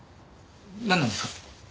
なんなんですか？